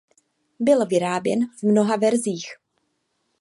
Byl vyráběn v mnoha verzích.